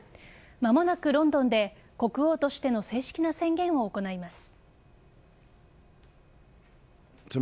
間もなくロンドンで国王としての正式な宣言を行います。